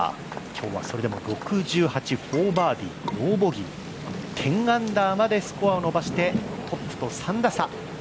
今日はそれでも６８、４バーディーノーボギー、１０アンダーまでスコアを伸ばしてトップと３打差。